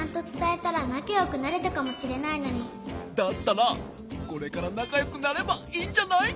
だったらこれからなかよくなればいいんじゃない？